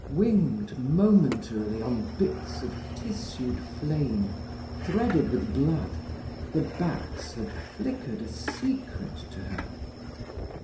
Winged momentarily on bits of tissued flame, threaded with blood, the bats had flickered a secret to her.